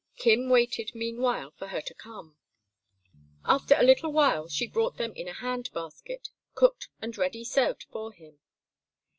Kim waited, meanwhile, for her to come. After a little while she brought them in a handbasket, cooked and ready served for him.